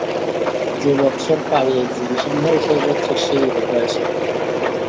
যে বৎসর পারি একজিবিশন হয়, সেই বৎসর সে ইউরোপে আসে।